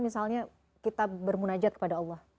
misalnya kita bermunajat kepada allah